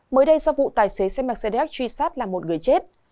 mới đây do vụ tài xế xe mercedes benz truy sát là một người chết